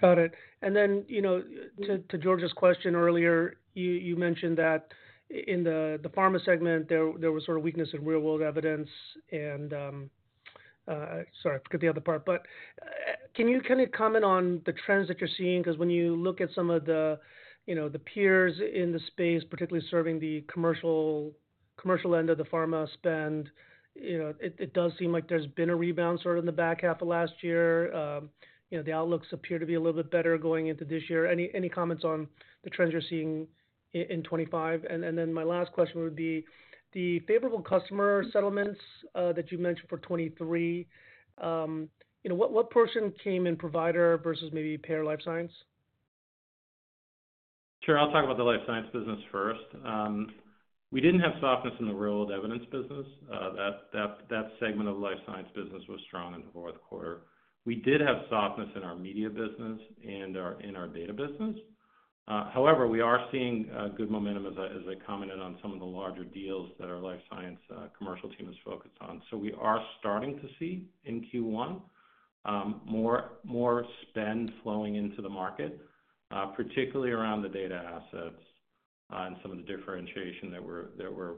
[SPEAKER 5] Got it. To George's question earlier, you mentioned that in the pharma segment, there was sort of weakness in real-world evidence. Sorry, forget the other part. Can you kind of comment on the trends that you're seeing? Because when you look at some of the peers in the space, particularly serving the commercial end of the pharma spend, it does seem like there's been a rebound sort of in the back half of last year. The outlooks appear to be a little bit better going into this year. Any comments on the trends you're seeing in 2025? My last question would be the favorable customer settlements that you mentioned for 2023. What portion came in provider versus maybe payer life science?
[SPEAKER 3] Sure. I'll talk about the life science business first. We didn't have softness in the real-world evidence business. That segment of life science business was strong in the fourth quarter. We did have softness in our media business and in our data business. However, we are seeing good momentum, as I commented on some of the larger deals that our life science commercial team is focused on. We are starting to see in Q1 more spend flowing into the market, particularly around the data assets and some of the differentiation that we're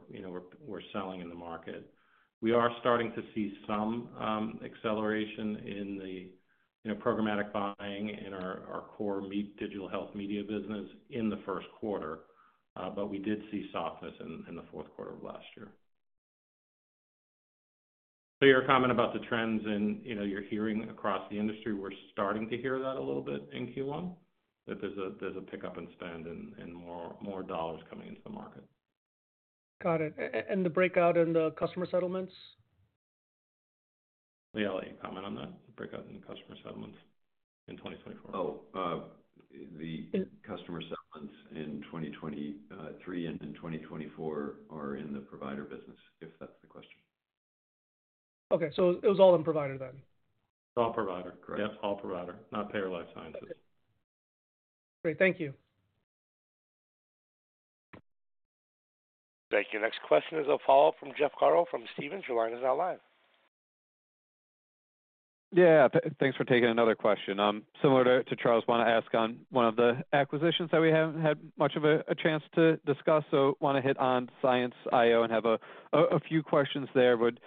[SPEAKER 3] selling in the market. We are starting to see some acceleration in the programmatic buying in our core Digital Health Media business in the first quarter, but we did see softness in the fourth quarter of last year. Your comment about the trends you are hearing across the industry, we're starting to hear that a little bit in Q1, that there's a pickup in spend and more dollars coming into the market.
[SPEAKER 5] Got it. And the breakout in the customer settlements?
[SPEAKER 3] Lee, I'll let you comment on that, the breakout in the customer settlements in 2024.
[SPEAKER 4] Oh, the customer settlements in 2023 and in 2024 are in the provider business, if that's the question.
[SPEAKER 5] Okay. It was all in provider then?
[SPEAKER 4] All provider. Correct. Yep. All provider, not payer life sciences.
[SPEAKER 5] Okay. Great. Thank you.
[SPEAKER 1] Thank you. Next question is a follow-up from Jeff Garro from Stephens. Your line is now live.
[SPEAKER 6] Yeah. Thanks for taking another question. Similar to Charles, want to ask on one of the acquisitions that we haven't had much of a chance to discuss. Want to hit on ScienceIO and have a few questions there. Would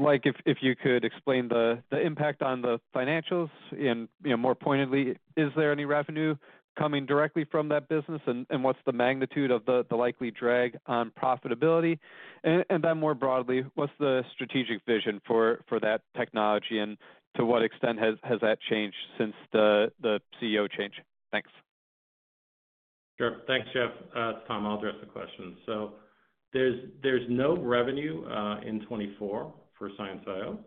[SPEAKER 6] like if you could explain the impact on the financials. And more pointedly, is there any revenue coming directly from that business? What's the magnitude of the likely drag on profitability? More broadly, what's the strategic vision for that technology? To what extent has that changed since the CEO change? Thanks.
[SPEAKER 3] Sure. Thanks, Jeff. Tom, I'll address the question. There is no revenue in 2024 for ScienceIO.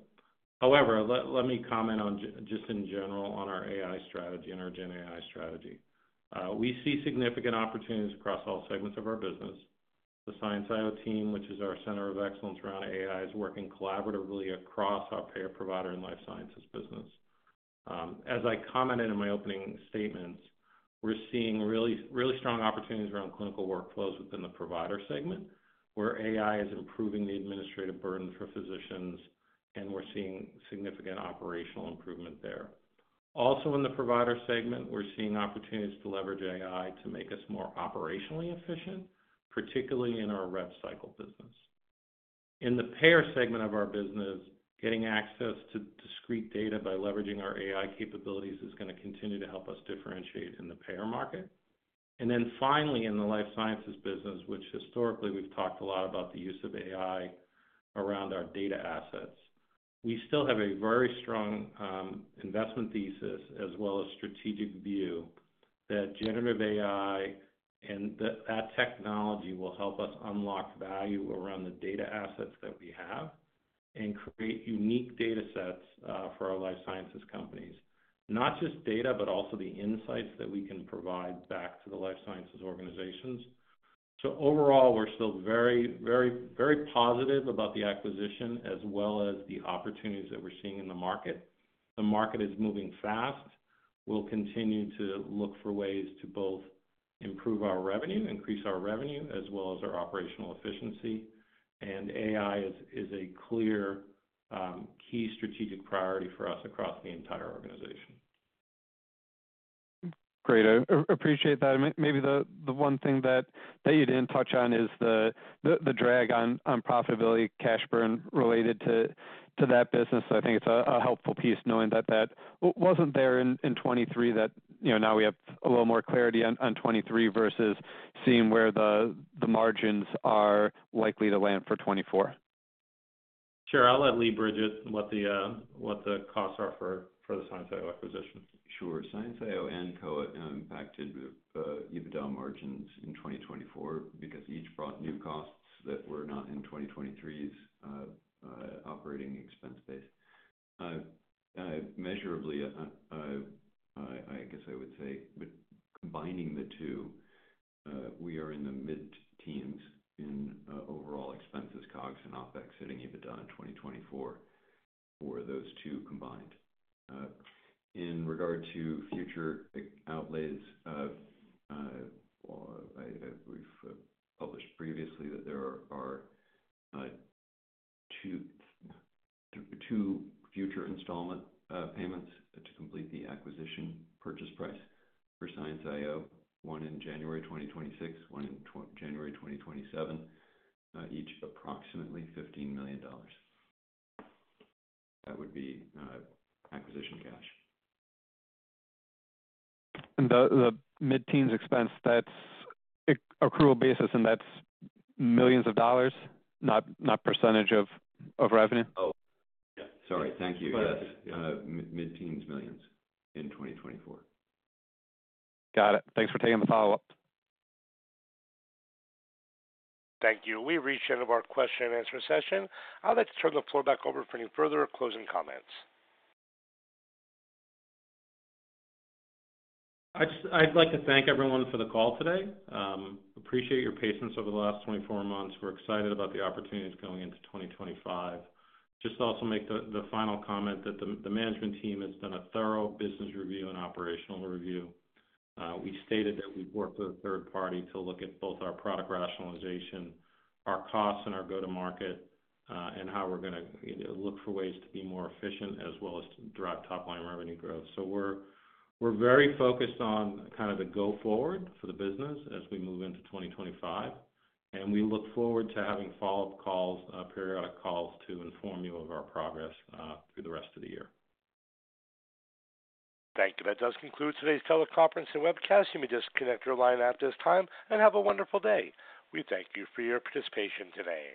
[SPEAKER 3] However, let me comment just in general on our AI strategy and our GenAI strategy. We see significant opportunities across all segments of our business. The ScienceIO team, which is our center of excellence around AI, is working collaboratively across our payer, provider, and life sciences business. As I commented in my opening statements, we are seeing really strong opportunities around clinical workflows within the provider segment, where AI is improving the administrative burden for physicians, and we are seeing significant operational improvement there. Also, in the provider segment, we are seeing opportunities to leverage AI to make us more operationally efficient, particularly in our rev cycle business. In the payer segment of our business, getting access to discrete data by leveraging our AI capabilities is going to continue to help us differentiate in the payer market. Finally, in the life sciences business, which historically we've talked a lot about the use of AI around our data assets, we still have a very strong investment thesis as well as strategic view that generative AI and that technology will help us unlock value around the data assets that we have and create unique data sets for our life sciences companies, not just data, but also the insights that we can provide back to the life sciences organizations. Overall, we're still very, very positive about the acquisition as well as the opportunities that we're seeing in the market. The market is moving fast. We'll continue to look for ways to both improve our revenue, increase our revenue, as well as our operational efficiency. AI is a clear key strategic priority for us across the entire organization.
[SPEAKER 6] Great. I appreciate that. Maybe the one thing that you didn't touch on is the drag on profitability, cash burn related to that business. I think it's a helpful piece knowing that that wasn't there in 2023, that now we have a little more clarity on 2023 versus seeing where the margins are likely to land for 2024.
[SPEAKER 3] Sure. I'll let Lee bridge what the costs are for the ScienceIO acquisition.
[SPEAKER 4] Sure. ScienceIO and Koha Health impacted EBITDA margins in 2024 because each brought new costs that were not in 2023's operating expense base. Measurably, I guess I would say, but combining the two, we are in the mid-teens in overall expenses, COGS and OpEx hitting EBITDA in 2024 for those two combined. In regard to future outlays of, well, we've published previously that there are two future installment payments to complete the acquisition purchase price for ScienceIO, one in January 2026, one in January 2027, each approximately $15 million. That would be acquisition cash.
[SPEAKER 6] And the mid-teens expense, that's accrual basis, and that's millions of dollars, not percentage of revenue?
[SPEAKER 4] Oh. Yeah. Sorry. Thank you. Yes. Mid-teens millions in 2024.
[SPEAKER 6] Got it. Thanks for taking the follow-up.
[SPEAKER 1] Thank you. We've reached the end of our question and answer session. I'll let you turn the floor back over for any further closing comments.
[SPEAKER 3] I'd like to thank everyone for the call today. Appreciate your patience over the last 24 months. We're excited about the opportunities going into 2025. Just also make the final comment that the management team has done a thorough business review and operational review. We stated that we've worked with a third party to look at both our product rationalization, our costs and our go-to-market, and how we're going to look for ways to be more efficient as well as to drive top-line revenue growth. We are very focused on kind of the go-forward for the business as we move into 2025. We look forward to having follow-up calls, periodic calls to inform you of our progress through the rest of the year.
[SPEAKER 1] Thank you. That does conclude today's teleconference and webcast. You may disconnect your line at this time and have a wonderful day. We thank you for your participation today.